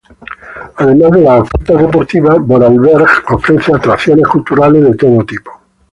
Además de las ofertas deportivas, Vorarlberg ofrece atracciones culturales de todo tipo.